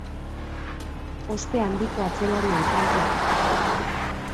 Ospe handiko atzelaria izan zen.